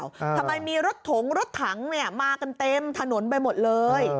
ทำไมมีรถถงรถถังเนี่ยมากันเต็มถนนไปหมดเลย